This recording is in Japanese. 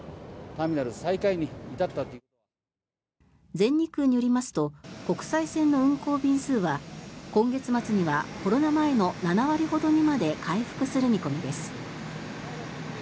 全日空によりますと国際線の運航便数は今月末にはコロナ前の７割ほどにまで回復する見込みです。